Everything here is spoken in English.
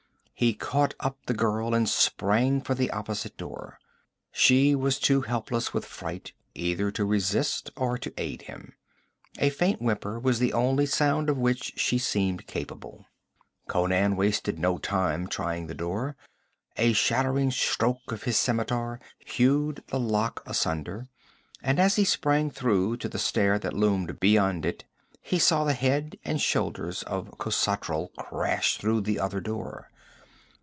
He caught up the girl and sprang for the opposite door. She was too helpless with fright either to resist or to aid him. A faint whimper was the only sound of which she seemed capable. Conan wasted no time trying the door. A shattering stroke of his scimitar hewed the lock asunder, and as he sprang through to the stair that loomed beyond it, he saw the head and shoulders of Khosatral crash through the other door.